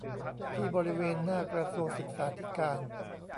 ที่บริเวณหน้ากระทรวงศึกษาธิการ